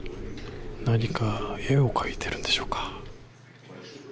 何か絵を描いてるんでしょうか。